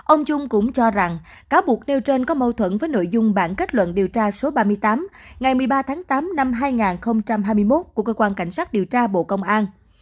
ông trung cũng cho rằng cáo buộc nêu trên có mâu thuẫn với nội dung bản kết luận điều tra số ba mươi tám ngày một mươi ba tháng tám năm hai nghìn hai mươi một của cơ quan cảnh sát điều tra bộ công an